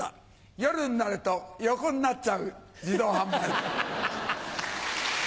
夜になると横になっちゃう自動販売機。